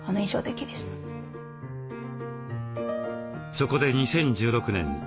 そこで２０１６年